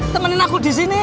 temenin aku disini